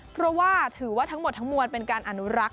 เพราะว่าถือว่าทั้งหมดทั้งมวลเป็นการอนุรักษ์